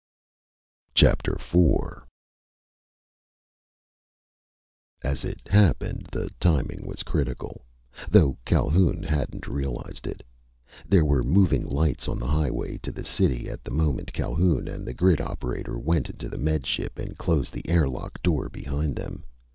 IV As it happened, the timing was critical, though Calhoun hadn't realized it. There were moving lights on the highway to the city at the moment Calhoun and the grid operator went into the Med Ship and closed the air lock door behind them.